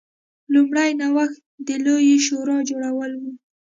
لومړنی نوښت د لویې شورا جوړول و